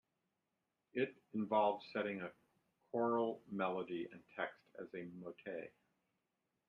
It involved setting a chorale melody and text as a motet.